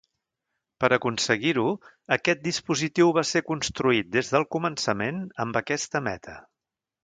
Per aconseguir-ho, aquest dispositiu va ser construït des del començament amb aquesta meta.